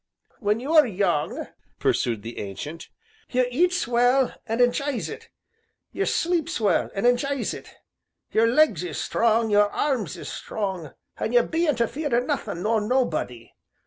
"When you are young," pursued the Ancient, "you eats well, an' enjys it, you sleeps well an' enjys it; your legs is strong, your arms is strong, an' you bean't afeard o' nothin' nor nobody.